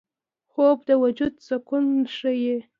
خوب د وجود سکون ښيي